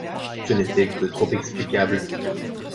Ce n’était que trop explicable.